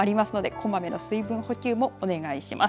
こまめな水分補給もお願いします。